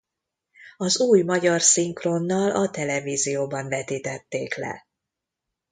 Az új magyar szinkronnal a televízióban vetítették le.